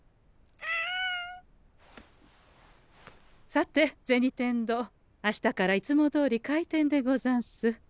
さて銭天堂明日からいつもどおり開店でござんす。